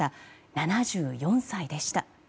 ７４歳でした。